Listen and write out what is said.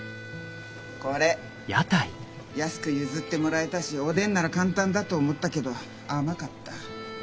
これ安く譲ってもらえたしおでんなら簡単だと思ったけど甘かった。